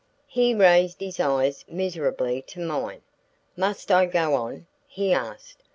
He raised his eyes miserably to mine. "Must I go on?" he asked.